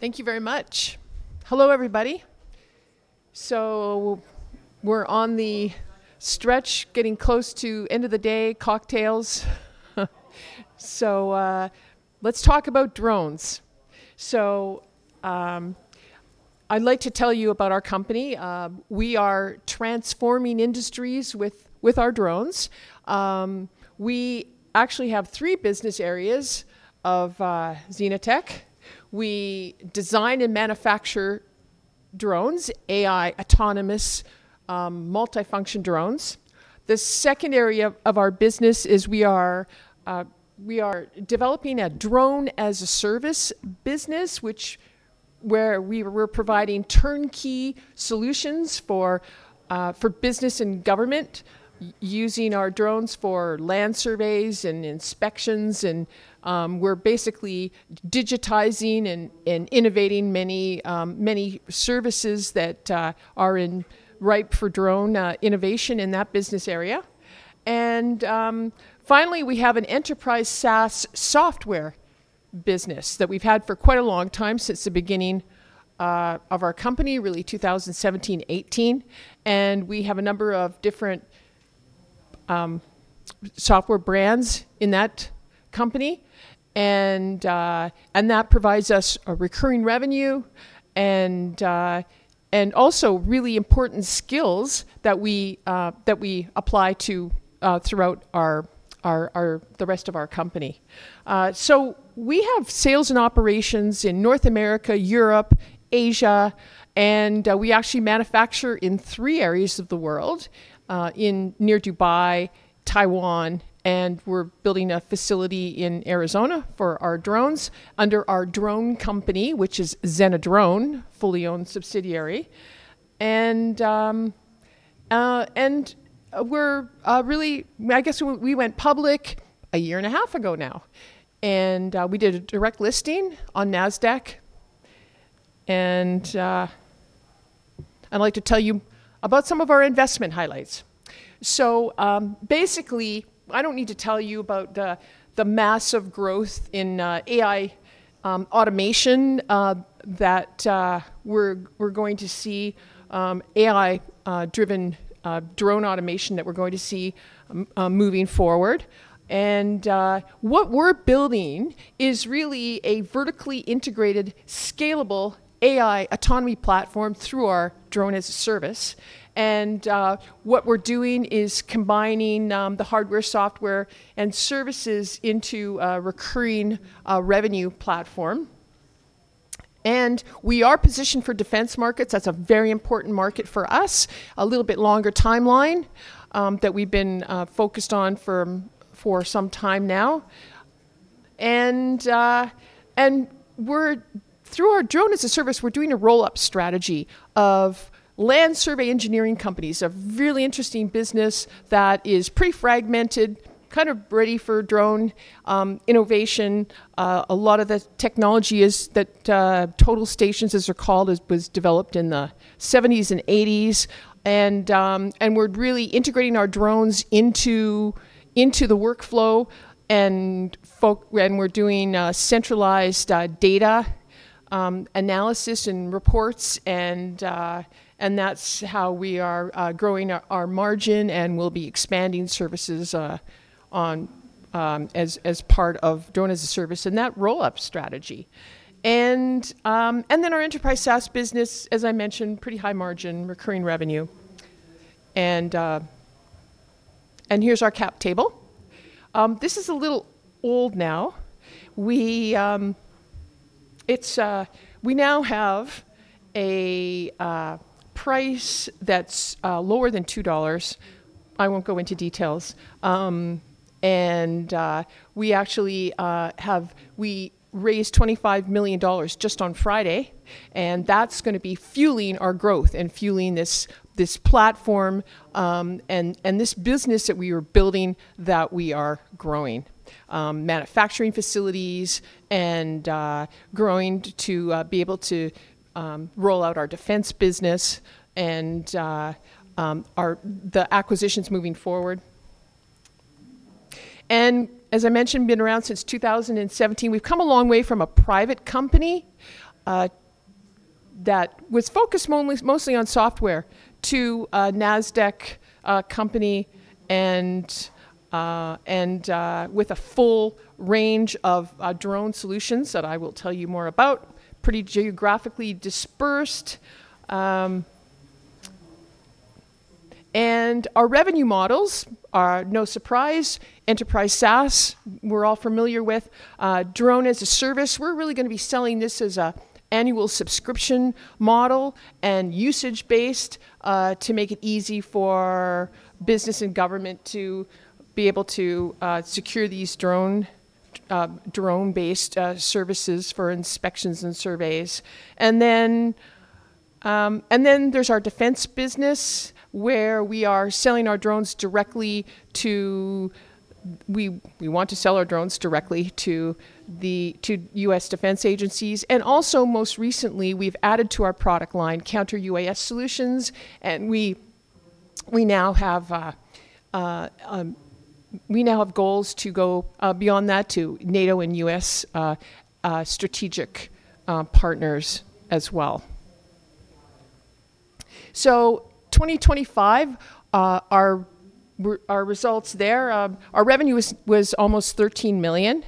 Thank you very much. Hello, everybody. We're on the stretch, getting close to end of the day cocktails. Let's talk about drones. I'd like to tell you about our company. We are transforming industries with our drones. We actually have three business areas of ZenaTech. We design and manufacture drones, AI autonomous, multifunction drones. The second area of our business is we are developing a drone-as-a-service business, where we're providing turnkey solutions for business and government using our drones for land surveys and inspections. We're basically digitizing and innovating many services that are ripe for drone innovation in that business area. Finally, we have an enterprise SaaS software business that we've had for quite a long time, since the beginning of our company, really 2017, 2018. We have a number of different software brands in that company, and that provides us a recurring revenue and also really important skills that we that we apply to throughout the rest of our company. We have sales and operations in North America, Europe, Asia, and we actually manufacture in three areas of the world: in near Dubai, Taiwan, and we're building a facility in Arizona for our drones under our drone company, which is ZenaDrone, fully owned subsidiary. I guess we went public a year and a half ago now. We did a direct listing on NASDAQ. I'd like to tell you about some of our investment highlights. Basically, I don't need to tell you about the massive growth in AI automation that we're going to see, AI-driven drone automation that we're going to see moving forward. What we're building is really a vertically integrated, scalable AI autonomy platform through our drone-as-a-service. What we're doing is combining the hardware, software, and services into a recurring revenue platform. We are positioned for defense markets. That's a very important market for us, a little bit longer timeline that we've been focused on for some time now. Through our drone-as-a-service, we're doing a roll-up strategy of land survey engineering companies, a really interesting business that is pretty fragmented, kind of ready for drone innovation. A lot of the technology is that total stations, as they're called, was developed in the 1970s and 1980s. We're really integrating our drones into the workflow, and we're doing centralized data analysis and reports. That's how we are growing our margin and will be expanding services as part of drone-as-a-service in that roll-up strategy. Our enterprise SaaS business, as I mentioned, pretty high margin, recurring revenue. Here's our cap table. This is a little old now. We now have a price that's lower than $2. I won't go into details. We actually raised $25 million just on Friday, and that's going to be fueling our growth and fueling this platform, and this business that we are building that we are growing, manufacturing facilities and growing to be able to roll out our defense business and the acquisitions moving forward. As I mentioned, been around since 2017. We've come a long way from a private company, that was focused mostly on software to a NASDAQ company and with a full range of drone solutions that I will tell you more about, pretty geographically dispersed. Our revenue models are no surprise. Enterprise SaaS, we're all familiar with. Drone-as-a-service, we're really gonna be selling this as a annual subscription model and usage-based to make it easy for business and government to be able to secure these drone-based services for inspections and surveys. Then there's our defense business where we are selling our drones directly to We want to sell our drones directly to U.S. defense agencies. Most recently, we've added to our product line counter-UAS solutions. We now have goals to go beyond that to NATO and U.S. strategic partners as well. 2025, our results there, our revenue was almost $13 million,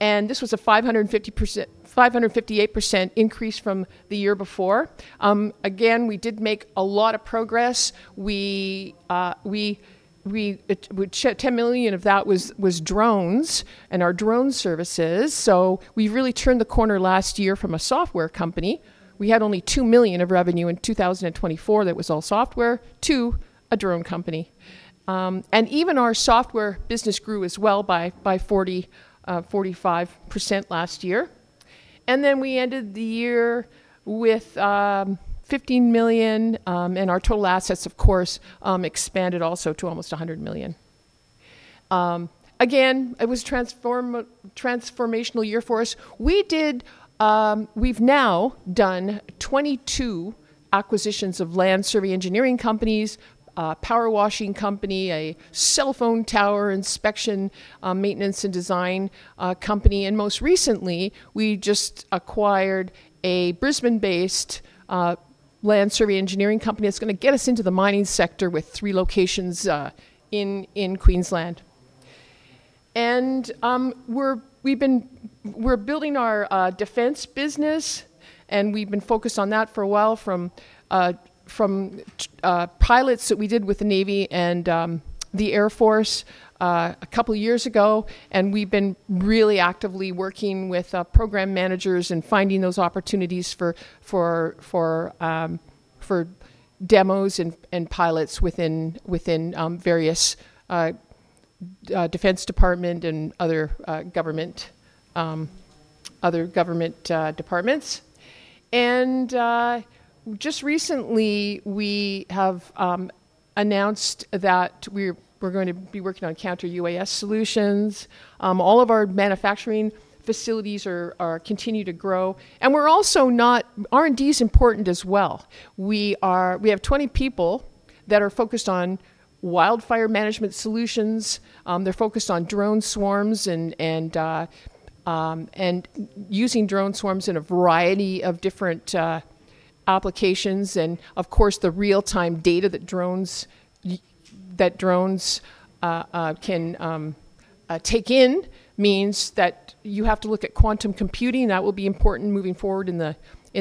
and this was a 558% increase from the year before. We did make a lot of progress. Which $10 million of that was drones and our drone services. We really turned the corner last year from a software company. We had only $2 million of revenue in 2024 that was all software, to a drone company. Even our software business grew as well by 45% last year. We ended the year with $15 million, and our total assets, of course, expanded also to almost $100 million. Again, it was a transformational year for us. We've now done 22 acquisitions of land survey engineering companies, a power washing company, a cell phone tower inspection, maintenance, and design company, and most recently, we just acquired a Brisbane-based land survey engineering company that's gonna get us into the mining sector with three locations in Queensland. We're building our defense business, and we've been focused on that for a while from pilots that we did with the Navy and the Air Force a couple of years ago. We've been really actively working with program managers and finding those opportunities for demos and pilots within various Defense Department and other government departments. Just recently, we have announced that we're going to be working on counter-UAS solutions. All of our manufacturing facilities continue to grow. R&D is important as well. We have 20 people that are focused on wildfire management solutions. They're focused on drone swarms and using drone swarms in a variety of different applications. The real-time data that drones can take in means that you have to look at quantum computing. That will be important moving forward in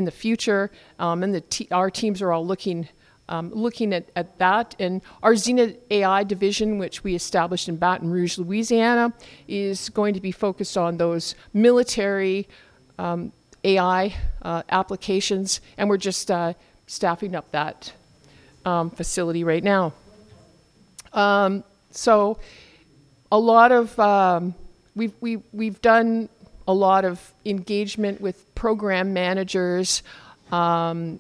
the future. Our teams are all looking at that. Our Zena AI division, which we established in Baton Rouge, Louisiana, is going to be focused on those military AI applications, and we're just staffing up that facility right now. We've done a lot of engagement with program managers, and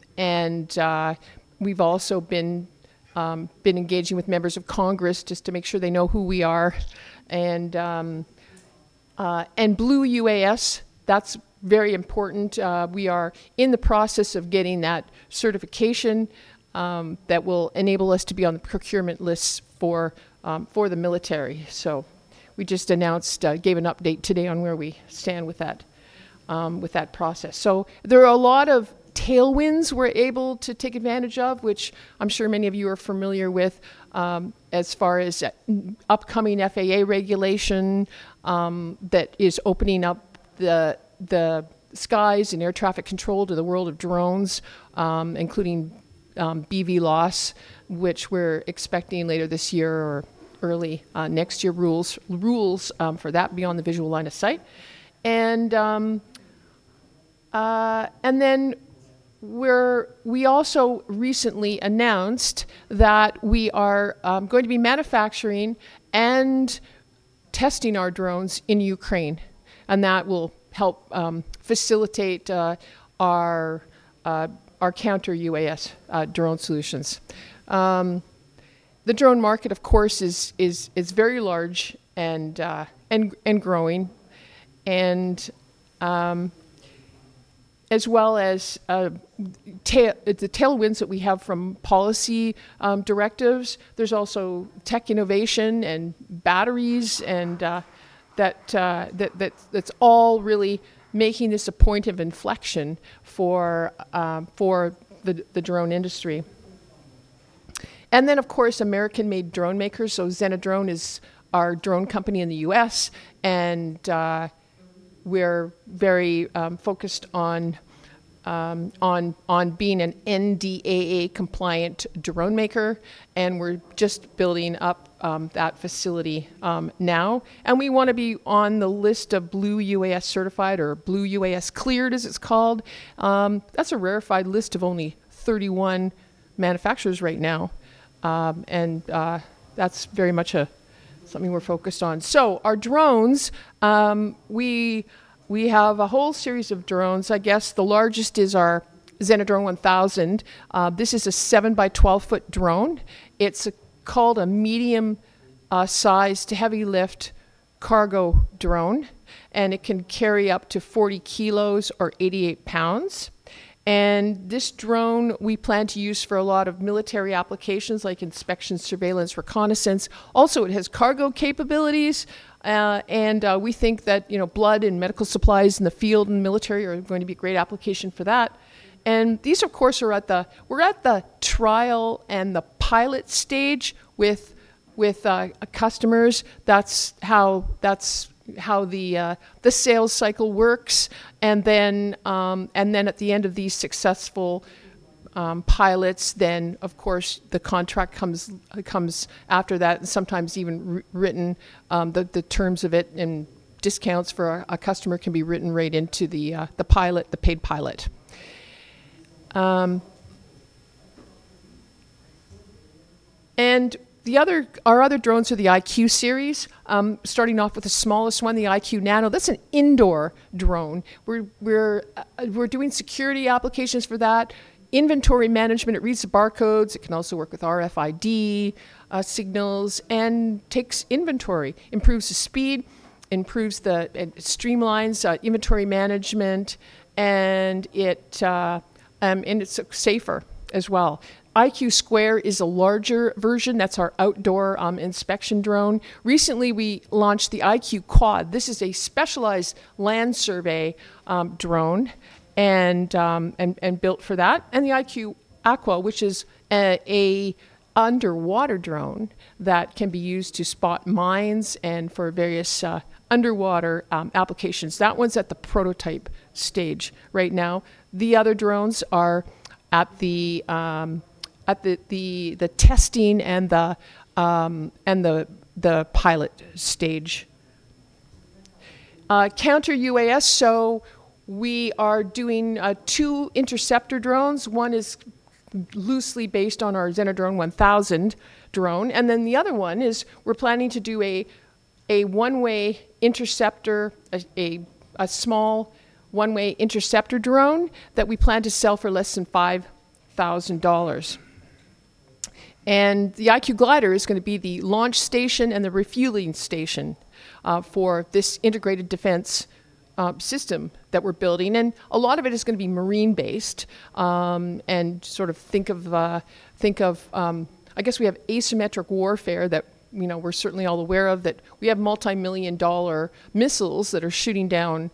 we've also been engaging with members of Congress just to make sure they know who we are. Blue UAS, that's very important. We are in the process of getting that certification that will enable us to be on the procurement lists for for the military. We just announced gave an update today on where we stand with that with that process. There are a lot of tailwinds we're able to take advantage of, which I'm sure many of you are familiar with, as far as upcoming FAA regulation that is opening up the the skies and air traffic control to the world of drones, including BVLOS, which we're expecting later this year or early next year, rules for that beyond the visual line of sight. We also recently announced that we are going to be manufacturing and testing our drones in Ukraine, and that will help facilitate our counter-UAS drone solutions. The drone market, of course, is very large and growing as well as the tailwinds that we have from policy directives. There's also tech innovation and batteries and that's all really making this a point of inflection for the drone industry. Of course, American-made drone makers. ZenaDrone is our drone company in the U.S., and we're very focused on being an NDAA-compliant drone maker, and we're just building up that facility now. We wanna be on the list of Blue UAS certified or Blue UAS cleared, as it's called. That's a rarefied list of only 31 manufacturers right now, that's very much something we're focused on. Our drones, we have a whole series of drones. I guess the largest is our ZenaDrone 1000. This is a 7-by-12-foot drone. It's called a medium, size to heavy-lift cargo drone, and it can carry up to 40 kgs or 88 lbs. This drone we plan to use for a lot of military applications like inspection, surveillance, reconnaissance. Also, it has cargo capabilities, we think that, you know, blood and medical supplies in the field and military are going to be a great application for that. These of course we're at the trial and the pilot stage with customers. That's how the sales cycle works. At the end of these successful pilots, then of course the contract comes after that, and sometimes even written the terms of it and discounts for a customer can be written right into the pilot, the paid pilot. Our other drones are the IQ Series, starting off with the smallest one, the IQ Nano. That's an indoor drone. We're doing security applications for that. Inventory management, it reads the barcodes. It can also work with RFID signals, and takes inventory, improves the speed, it streamlines inventory management, and it's safer as well. IQ Square is a larger version. That's our outdoor inspection drone. Recently, we launched the IQ Quad. This is a specialized land survey drone, and built for that. The IQ Aqua, which is a underwater drone that can be used to spot mines and for various underwater applications. That one's at the prototype stage right now. The other drones are at the testing and the pilot stage. Counter-UAS, we are doing two interceptor drones. One is loosely based on our ZenaDrone 1000 drone, the other one is we're planning to do a one-way interceptor, a small one-way interceptor drone that we plan to sell for less than $5,000. The IQ Glider is going to be the launch station and the refueling station for this integrated defense system that we're building. A lot of it is going to be marine-based, and sort of think of, think of, I guess we have asymmetric warfare that, you know, we're certainly all aware of, that we have multi-million dollar missiles that are shooting down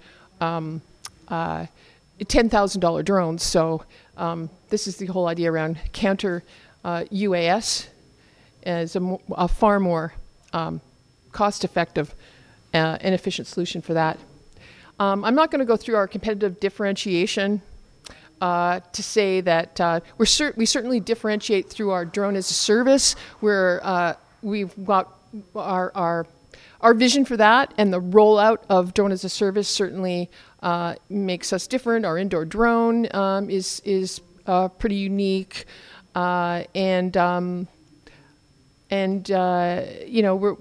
$10,000 drones. This is the whole idea around counter-UAS as a far more cost-effective and efficient solution for that. I'm not going to go through our competitive differentiation to say that we certainly differentiate through our drone-as-a-service, where we've got our vision for that, and the rollout of drone-as-a-service certainly makes us different. Our indoor drone is pretty unique. You know,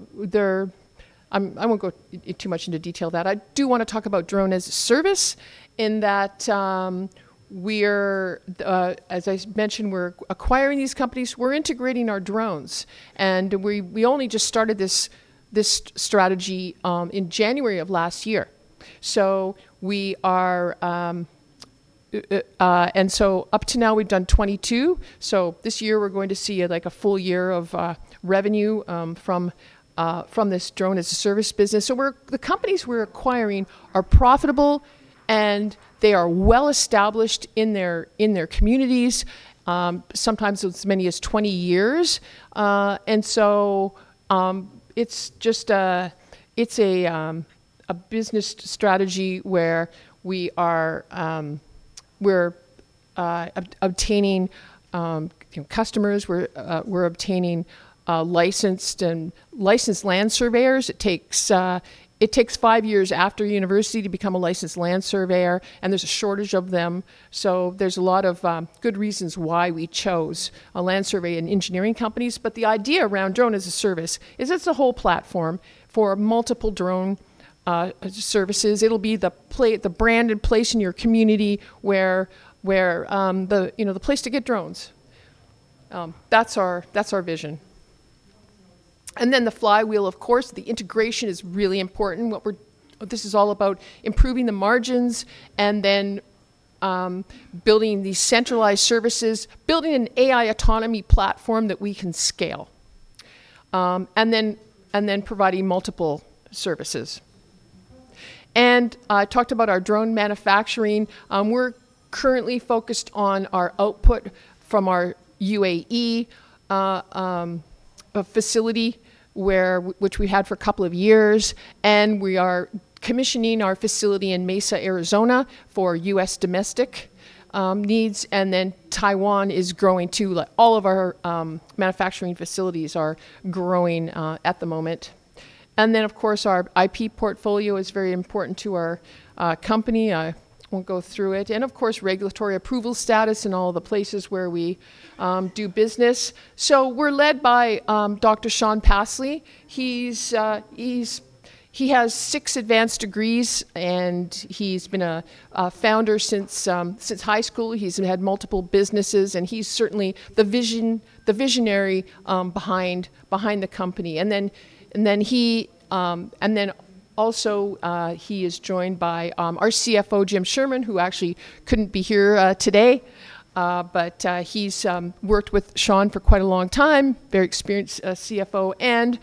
I won't go too much into detail that. I do wanna talk about drone-as-a-service in that, as I mentioned, we're acquiring these companies. We're integrating our drones, and we only just started this strategy in January of last year. Up to now, we've done 22. This year we're going to see, like, a full year of revenue from this drone-as-a-service business. The companies we're acquiring are profitable, and they are well established in their communities, sometimes as many as 20 years. It's a business strategy where we are obtaining customers. We're obtaining licensed land surveyors. It takes, it takes five years after university to become a licensed land surveyor, and there's a shortage of them. There's a lot of good reasons why we chose a land survey and engineering companies. The idea around drone-as-a-service is it's a whole platform for multiple drone services. It'll be the brand and place in your community where, you know, the place to get drones. That's our vision. The flywheel, of course, the integration is really important. This is all about improving the margins and then building these centralized services, building an AI autonomy platform that we can scale, and then providing multiple services. I talked about our drone manufacturing. We're currently focused on our output from our UAE facility which we had for a couple of years, and we are commissioning our facility in Mesa, Arizona, for U.S. domestic needs. Taiwan is growing too. All of our manufacturing facilities are growing at the moment. Of course, our IP portfolio is very important to our company. I won't go through it. Of course, regulatory approval status in all the places where we do business. We're led by Dr. Shaun Passley. He has six advanced degrees, and he's been a founder since high school. He's had multiple businesses, and he's certainly the visionary behind the company. He is joined by our CFO, James Sherman, who actually couldn't be here today. He's worked with Shaun for quite a long time, very experienced CFO.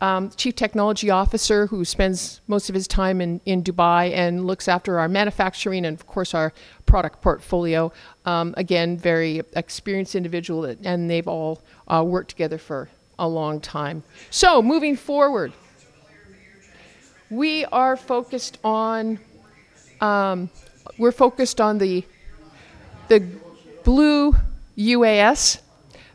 Our Chief Technology Officer, who spends most of his time in Dubai and looks after our manufacturing and of course our product portfolio. Again, very experienced individual. They've all worked together for a long time. We're focused on the Blue UAS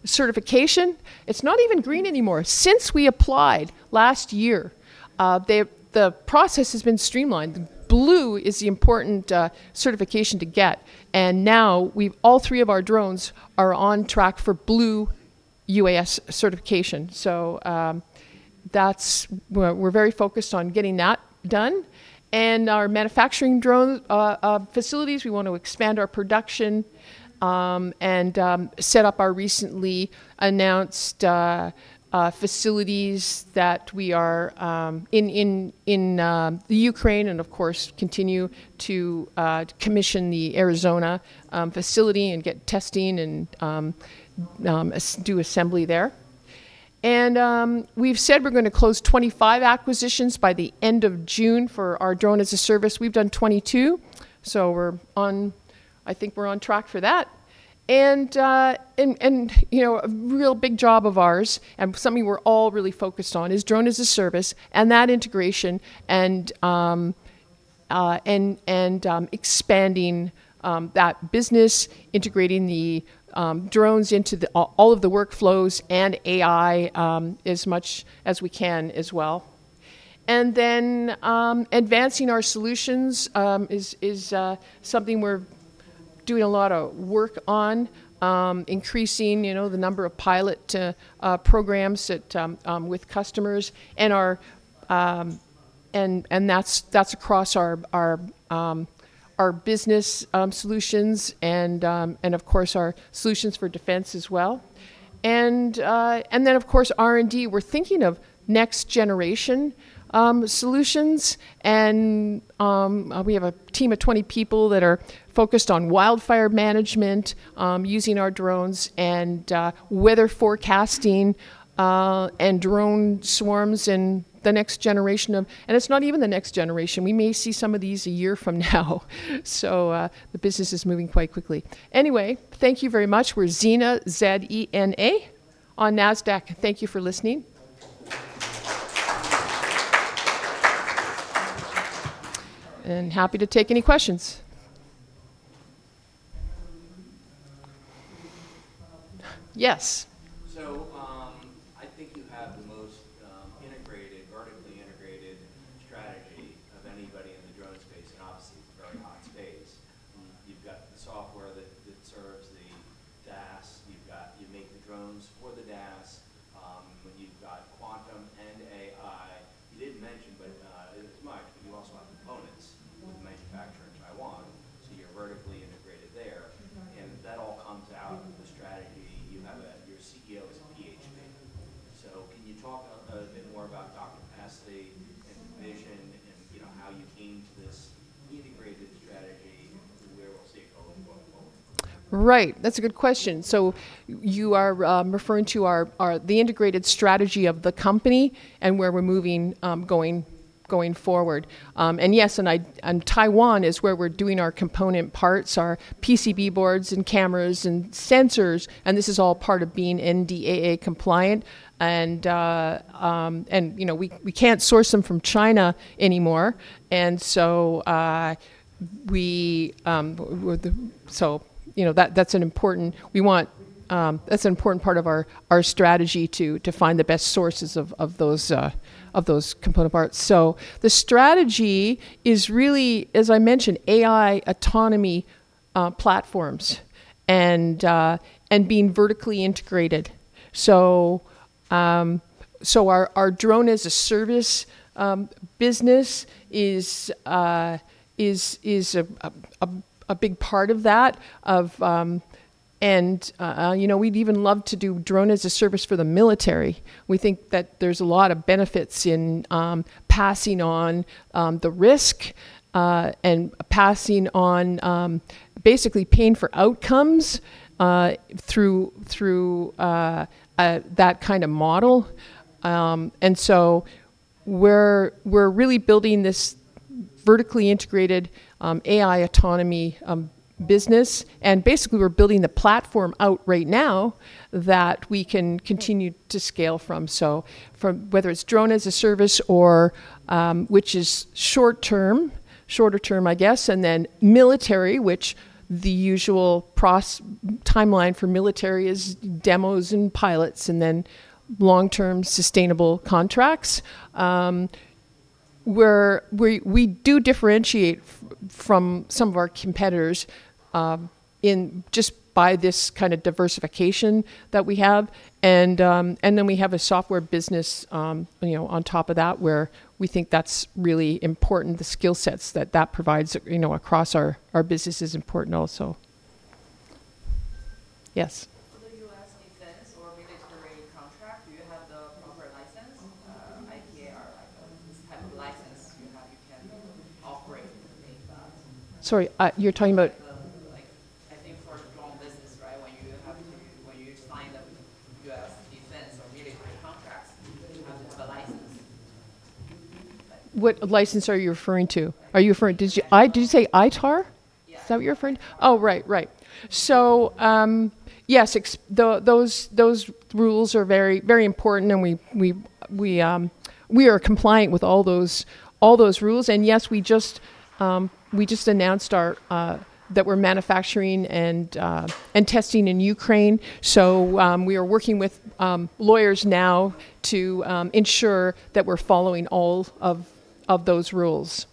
certification. It's not even green anymore. Since we applied last year, the process has been streamlined. Blue is the important certification to get, now all three of our drones are on track for Blue UAS certification. We're very focused on getting that done. Our manufacturing drone facilities, we want to expand our production, and set up our recently announced facilities that we are in Ukraine and of course continue to commission the Arizona facility and get testing and do assembly there. We've said we're gonna close 25 acquisitions by the end of June for our drone-as-a-service. We've done 22, so I think we're on track for that. You know, a real big job of ours, and something we're all really focused on is drone-as-a-service and that integration and expanding that business, integrating the drones into all of the workflows and AI as much as we can as well. Advancing our solutions is something we're doing a lot of work on, increasing, you know, the number of pilot programs at with customers and that's across our business solutions and of course our solutions for defense as well. Of course R&D we're thinking of next generation solutions. We have a team of 20 people that are focused on wildfire management using our drones and weather forecasting and drone swarms and the next generation. It's not even the next generation. We may see some of these a year from now. The business is moving quite quickly. Anyway, thank you very much. We're Zena, Z-E-N-A, on NASDAQ. Thank you for listening. Happy to take any questions. Yes. I think you have the most integrated, vertically integrated strategy of anybody in the drone space, and obviously it's a very hot space. You've got the software that serves the DaaS. You make the drones for the DAS. You've got quantum and AI. You didn't mention, but you also have components with manufacture in Taiwan, so you're vertically integrated there. That all comes out in the strategy. Your CEO is a PhD. Can you talk a bit more about Dr. Passley and the vision and, you know, how you came to this integrated strategy and where we'll see it going forward? Right. That's a good question. You are referring to our, the integrated strategy of the company and where we're moving going forward. Yes, Taiwan is where we're doing our component parts, our PCB boards and cameras and sensors, and this is all part of being NDAA compliant. You know, we can't source them from China anymore. You know, that's an important part of our strategy to find the best sources of those component parts. The strategy is really, as I mentioned, AI autonomy platforms and being vertically integrated. Our drone-as-a-service business is a big part of that. You know, we'd even love to do drone-as-a-service for the military. We think that there's a lot of benefits in passing on the risk and passing on basically paying for outcomes through that kind of model. We're really building this vertically integrated AI autonomy business. Basically we're building the platform out right now that we can continue to scale from. Whether it's drone-as-a-service or which is short-term, shorter term I guess, then military, which the usual timeline for military is demos and pilots and then long-term sustainable contracts. We do differentiate from some of our competitors in just by this kind of diversification that we have. Then we have a software business, you know, on top of that where we think that's really important, the skill sets that provides, you know, across our business is important also. Yes. For the U.S. defense or military contract, do you have the proper license, ITAR license? What type of license you have you can operate the things that. Sorry. Like, I think for drone business, right, when you sign the U.S. defense or military contracts, you have to have a license. What license are you referring to? Did you say ITAR? Yes. Is that what you're referring? Oh, right. Right. Yes, those rules are very, very important and we are compliant with all those, all those rules. Yes, we just announced our that we're manufacturing and testing in Ukraine. We are working with lawyers now to ensure that we're following all of those rules.